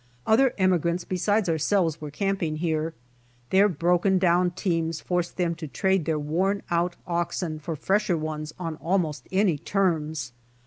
Other emigrants besides ourselves were camp ing here. Their broken dow^l teams forced them to trade their worn out oxen for fresher ones on almost any termjs.